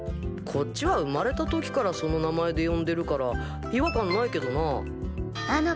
こっちは生まれた時からその名前で呼んでるから違和感ないけどな。